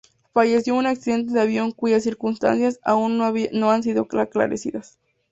Falleció en un accidente de avión cuyas circunstancias aún no han sido esclarecidas.